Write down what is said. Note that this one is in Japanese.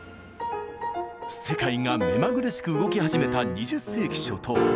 世界が目まぐるしく動き始めた２０世紀初頭。